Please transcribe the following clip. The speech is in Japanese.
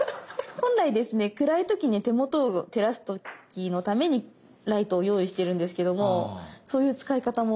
本来ですね暗い時に手元を照らす時のためにライトを用意してるんですけどもそういう使い方も。